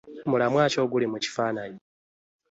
Mulamwa ki oguli mu kifaananyi?